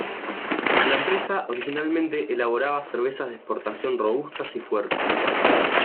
La empresa originalmente elaborada cervezas de exportación robustas y fuertes.